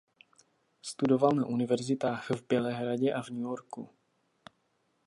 Studoval na univerzitách v Bělehradě a v New Yorku.